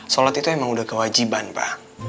sholat itu emang udah kewajiban pak